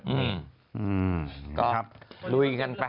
อืมอืมครับรุ่งด้วยกันไป